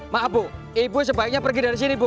maaf bu ibu sebaiknya pergi dari sini bu